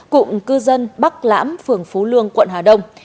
cụm cư dân bắc lãm phường phú lương quận hà đông